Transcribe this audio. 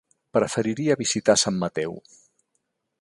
Preferiria visitar Sant Mateu.